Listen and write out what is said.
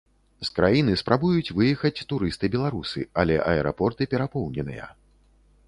З краіны спрабуюць выехаць турысты-беларусы, але аэрапорты перапоўненыя.